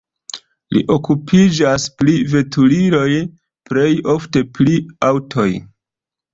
Li okupiĝas pri veturiloj, plej ofte pri aŭtoj.